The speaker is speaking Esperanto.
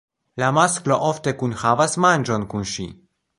La masklo ofte kunhavas manĝon kun ŝi.